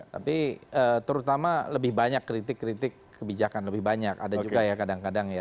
tapi terutama lebih banyak kritik kritik kebijakan lebih banyak ada juga ya kadang kadang ya